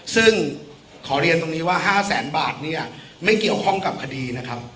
ซึ่งขอเรียนตรงนี้ว่า๕แสนบาทไม่เกี่ยวข้องกับคดี